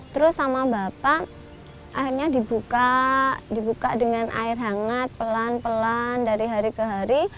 terus sama bapak akhirnya dibuka dibuka dengan air hangat pelan pelan dari hari ke hari